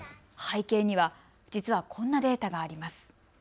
背景には実はこんなデータがあります。